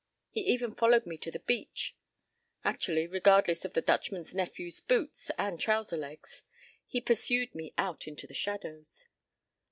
He even followed me to the beach; actually, regardless of the Dutchman's nephew's boots and trouser legs, he pursued me out into the shadows.